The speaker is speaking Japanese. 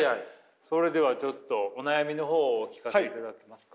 それではちょっとお悩みのほうをお聞かせいただけますか。